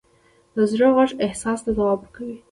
د زړه غوږ احساس ته ځواب ورکوي.